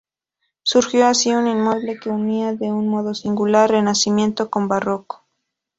Surgió así un inmueble que unía, de un modo singular, renacimiento con barroco.